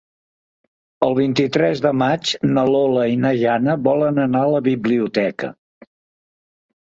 El vint-i-tres de maig na Lola i na Jana volen anar a la biblioteca.